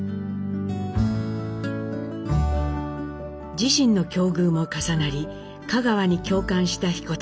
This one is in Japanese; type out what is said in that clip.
自身の境遇も重なり賀川に共感した彦忠。